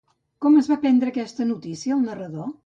Com es va prendre aquesta notícia el narrador?